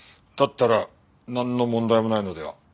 だったらなんの問題もないのでは？